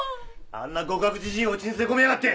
あんな極悪じじいをウチに連れ込みやがって！